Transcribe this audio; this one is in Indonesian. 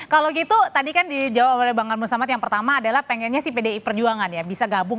kalau gitu tadi kan dijawab oleh bang armul samad yang pertama adalah pengennya sih pdi perjuangan ya bisa gabung